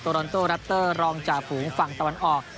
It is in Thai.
รอนโต้แรปเตอร์รองจ่าฝูงฝั่งตะวันออก